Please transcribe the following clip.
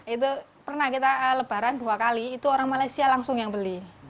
itu pernah kita lebaran dua kali itu orang malaysia langsung yang beli